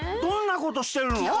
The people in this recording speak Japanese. どんなことしてるの？